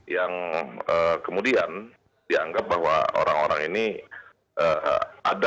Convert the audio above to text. yang kemudian dianggap bahwa orang orang ini ada